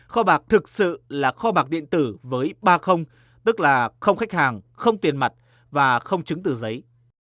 kho bạc thực sự là kho bạc điện tử với ba không tức là không khách hàng không tiền mặt và không chứng từ giấy